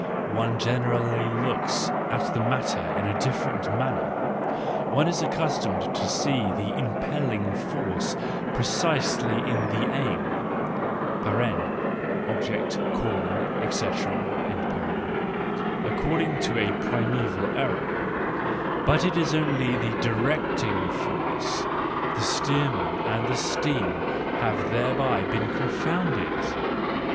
One generally looks at the matter in a different manner : one is accustomed to see the impelling force pre¬ cisely in the aim (object, calling, &c.), according to a primeval error,—but it is only the directing force ; the steersman and the steam have thereby been confounded.